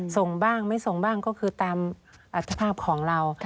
ส่งบ้างไม่ส่งบ้างก็คือตามอัธภาพของเรา